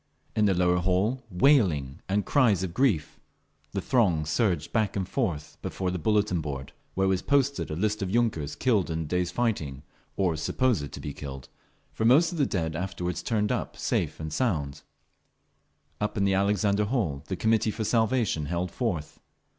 In the lower hall wailing and cries of grief; the throng surged back and forth before the bulletin board, where was posted a list of yunkers killed in the day's fighting—or supposed to be killed, for most of the dead afterward turned up safe and sound…. Up in the Alexander Hall the Committee for Salvation held forth.